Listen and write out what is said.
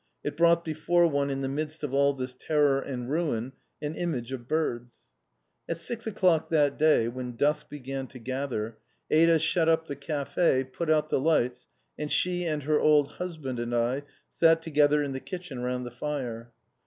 It brought before one in the midst of all this terror and ruin an image of birds. At six o'clock that day, when dusk began to gather, Ada shut up the café, put out the lights, and she and her old husband and I sat together in the kitchen round the fire.